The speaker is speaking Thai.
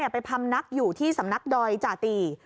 ไปพรรมนักอยู่ที่สำนักดอยจติ